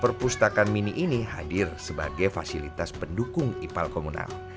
perpustakaan mini ini hadir sebagai fasilitas pendukung ipal komunal